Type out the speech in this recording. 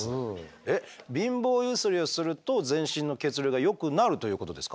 えっ貧乏ゆすりをすると全身の血流がよくなるということですか？